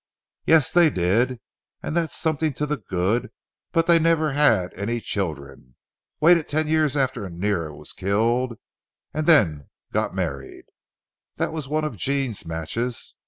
"Yes, they did, and that's something to the good, but they never had any children. Waited ten years after Annear was killed, and then got married. That was one of Jean's matches.